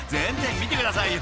見てくださいよ！